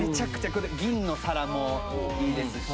銀の皿もいいですし。